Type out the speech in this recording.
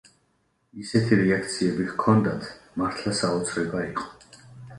ისეთი რეაქციები ჰქონდათ, მართლა საოცრება იყო.